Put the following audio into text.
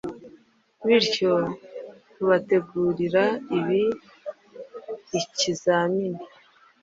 bityo tubategurira ibi ikizamini